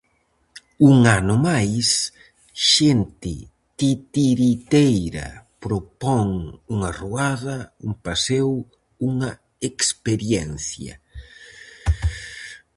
Un ano máis, Xente Titiriteira propón unha ruada, un paseo, unha experiencia.